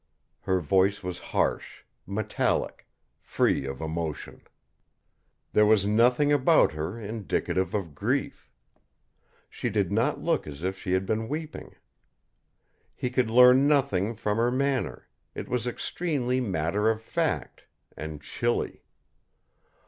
Her voice was harsh, metallic, free of emotion. There was nothing about her indicative of grief. She did not look as if she had been weeping. He could learn nothing from her manner; it was extremely matter of fact, and chilly.